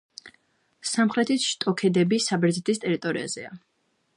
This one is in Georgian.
სამხრეთი შტოქედები საბერძნეთის ტერიტორიაზეა.